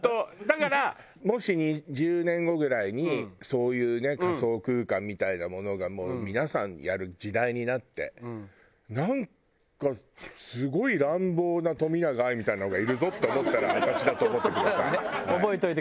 だからもし２０年後ぐらいにそういうね仮想空間みたいなものがもう皆さんやる時代になってなんかすごい乱暴な冨永愛みたいなのがいるぞって思ったら私だと思ってください。